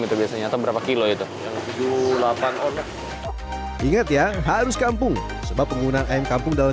itu biasanya atau berapa kilo itu tujuh puluh delapan ingat ya harus kampung sebab penggunaan ayam kampung dalam